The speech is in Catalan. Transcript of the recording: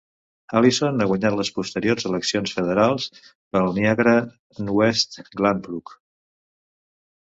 L'Allison ha guanyat les posteriors eleccions federals per Niagara West-Glanbrook.